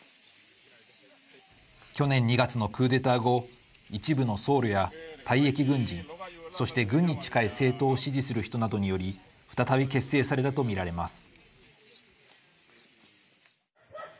去年２月のクーデター後一部の僧侶や退役軍人そして軍に近い政党を支持する人などにより再び結成されたと見られます。